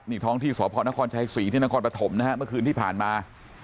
นี่ท้องที่สพนครชัยศรีที่นครปฐมนะฮะเมื่อคืนที่ผ่านมา